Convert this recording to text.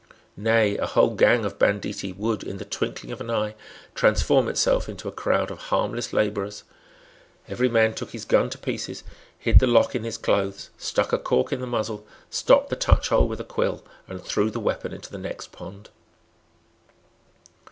Nay, a whole gang of banditti would, in the twinkling of an eye, transform itself into a crowd of harmless labourers. Every man took his gun to pieces, hid the lock in his clothes, stuck a cork in the muzzle, stopped the touch hole with a quill, and threw the weapon into the next pond.